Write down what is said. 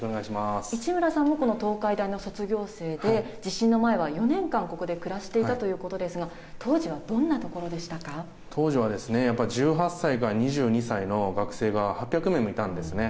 市村さんもこの東海大の卒業生で、地震の前は４年間、ここで暮らしていたということですが、当時はやっぱり１８歳から２２歳の学生が８００名もいたんですね。